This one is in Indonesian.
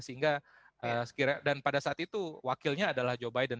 sehingga dan pada saat itu wakilnya adalah joe biden